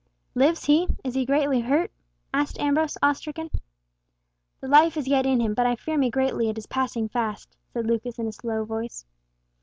"Lives he? Is he greatly hurt?" asked Ambrose, awe stricken. "The life is yet in him, but I fear me greatly it is passing fast," said Lucas, in a low voice.